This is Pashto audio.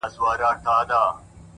• کښتۍ وان ویل مُلا لامبو دي زده ده؟,